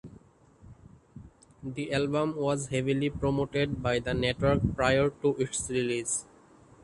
The album was heavily promoted by the network prior to its release.